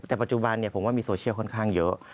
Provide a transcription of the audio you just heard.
แต่ปัจจุบันผมว่ามีโซเชียลค่อนข้างเยอะ